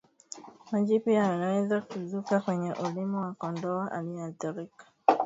Majipu yanaweza kuzuka kwenye ulimi wa kondoo aliyeathirika